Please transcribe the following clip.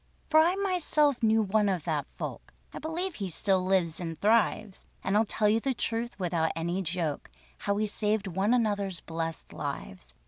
For I myself knew one of that folk (I believe he still lives and thrives), And I'll tell you the truth without any joke How we saved one another's blest lives.